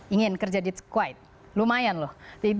ingin kerja di kuwait lumayan loh